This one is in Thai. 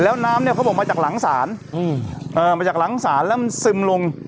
แล้วน้ำเนี่ยเขาบอกมาจากหลังศาลมาจากหลังศาลแล้วมันซึมลง